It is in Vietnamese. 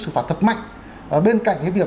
xử phạt thật mạnh bên cạnh cái việc